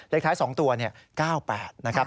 เลขท้าย๒ตัว๙๘นะครับ